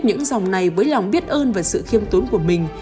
những dòng này với lòng biết ơn và sự khiêm tốn của mình